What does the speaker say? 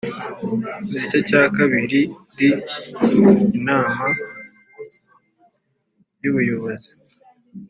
Igice cya kablili Inama y Ubuyobozi